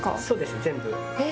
そうですね、全部。